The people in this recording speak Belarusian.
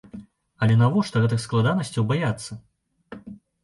Але навошта гэтых складанасцяў баяцца?